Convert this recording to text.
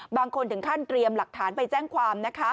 บางคนถึงขั้นเตรียมหลักฐานไปแจ้งความนะคะ